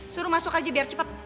suruh masuk aja biar cepat